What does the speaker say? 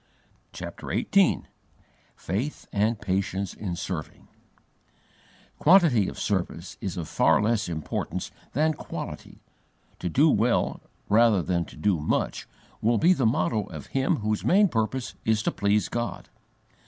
CHAPTER XVIII FAITH AND PATIENCE IN SERVING QUANTITY of service is of far less importance than quality. To do well, rather than to do much, will be the motto of him whose main purpose is to please God.